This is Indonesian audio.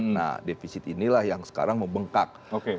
nah defisit inilah yang sekarang membengkak